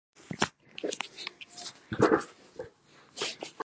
تخلیقي ایډیا یې خلاق نه دی.